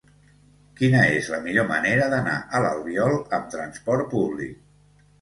Quina és la millor manera d'anar a l'Albiol amb trasport públic?